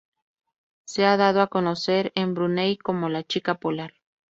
Se ha dado a conocer en Brunei como "la Chica Polar"..